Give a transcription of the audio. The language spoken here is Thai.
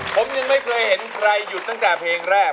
ผมยังไม่เคยเห็นใครหยุดตั้งแต่เพลงแรก